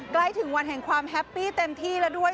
ใกล้ถึงวันแห่งความแฮปปี้เต็มที่แล้วด้วย